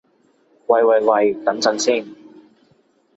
喂喂喂，等陣先